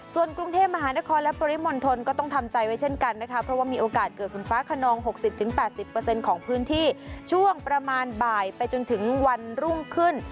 ส่วนกรุงเทพมหานครและปริมณฑลก็ต้องทำใจไว้เช่นกันนะคะเพราะว่ามีโอกาสเกิดฝนฟ้าขนอง๖๐๘๐ของพื้นที่ช่วงประมาณบ่ายไปจนถึงวันรุ่งขึ้น